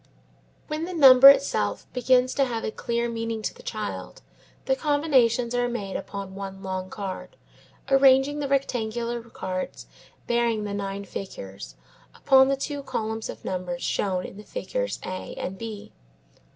When the number itself begins to have a clear meaning to the child, the combinations are made upon one long card, arranging the rectangular cards bearing the nine figures upon the two columns of numbers shown in the figures A and B.